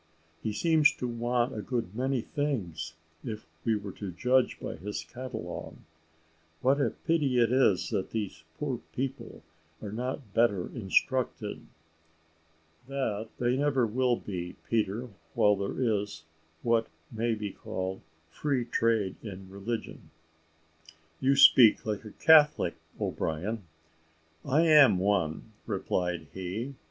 "He seems to want a good many things, if we were to judge by his catalogue: what a pity it is that these poor people are not better instructed." "That they never will be, Peter, while there is, what may be called, free trade in religion." "You speak like a Catholic, O'Brien." "I am one," replied he.